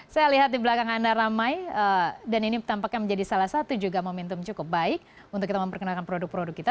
saya lihat di belakang anda ramai dan ini tampaknya menjadi salah satu juga momentum cukup baik untuk kita memperkenalkan produk produk kita